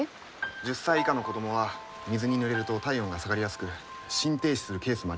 １０歳以下の子供は水にぬれると体温が下がりやすく心停止するケースもあります。